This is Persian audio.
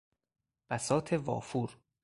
بساط وافور